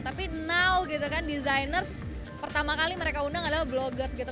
tapi now gitu kan designers pertama kali mereka undang adalah bloggers gitu